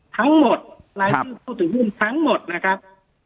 ทั้งหมดรายชื่อผู้ถือหุ้นทั้งหมดนะครับ